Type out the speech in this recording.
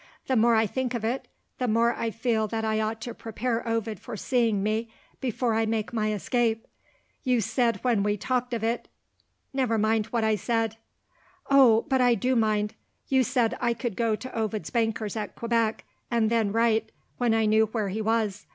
The more I think of it, the more I feel that I ought to prepare Ovid for seeing me, before I make my escape. You said when we talked of it " "Never mind what I said." "Oh, but I do mind! You said I could go to Ovid's bankers at Quebec, and then write when I knew where he was.